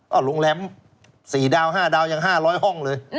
โรงแรมสี่ดาวน์ห้าดาวน์ยังห้าร้อยห้องเลย